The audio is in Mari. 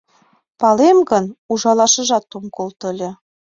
— Палем гын, ужалашыжат ом колто ыле.